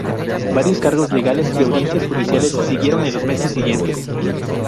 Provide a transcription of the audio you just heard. Varios cargos legales y audiencias judiciales siguieron en los meses siguientes.